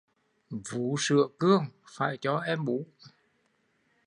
Vú sữa cương phải cho em bú